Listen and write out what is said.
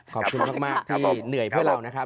ขอบคุณมากที่เหนื่อยเพื่อเรานะครับ